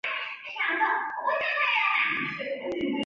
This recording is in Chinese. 国王和总统都有动机会去剥削国家以追求自己的利益。